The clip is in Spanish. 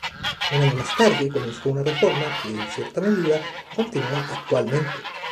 Un año más tarde comenzó una reforma que, en cierta medida, continúa actualmente.